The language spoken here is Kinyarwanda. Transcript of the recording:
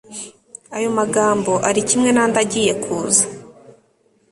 ayo magambo ari kimwe nandi agiye kuza